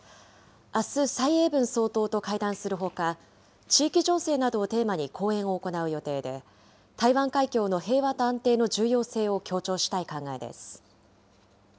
あす、蔡英文総統と会談するほか、地域情勢などをテーマに講演を行う予定で、台湾海峡の平和と安定の重要性を強調したい考えです。